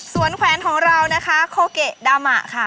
ส่วนแขวนของเรานะคะโคเกะดามะค่ะ